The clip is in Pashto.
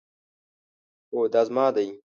هو، دا زما دی